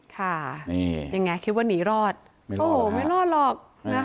ค่ะยังไงคิดว่านีรอดไม่รอดหรอก